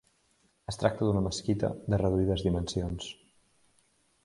Es tracta d'una mesquita de reduïdes dimensions.